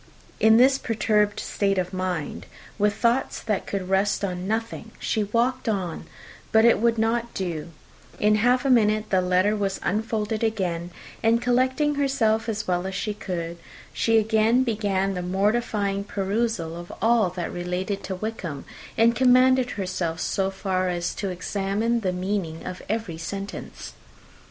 In this perturbed state of mind, with thoughts that could rest on nothing, she walked on; but it would not do: in half a minute the letter was unfolded again; and collecting herself as well as she could, she again began the mortifying perusal of all that related to Wickham, and commanded herself so far as to examine the meaning of every sentence.